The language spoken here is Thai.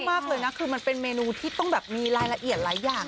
มากเลยนะคือมันเป็นเมนูที่ต้องแบบมีรายละเอียดหลายอย่าง